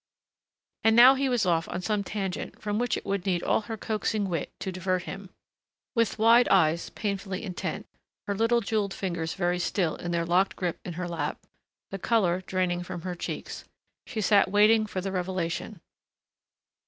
And now he was off on some tangent from which it would need all her coaxing wit to divert him. With wide eyes painfully intent, her little, jeweled fingers very still in their locked grip in her lap, the color draining from her cheeks, she sat waiting for the revelation.